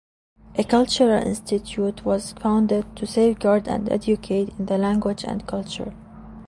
A cultural institute was founded to safeguard and educate in the language and culture.